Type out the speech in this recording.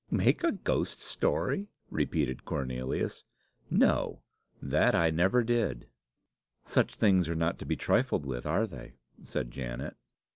Make a ghost story!" repeated Cornelius. "No; that I never did." "Such things are not to be trifled with, are they?" said Janet.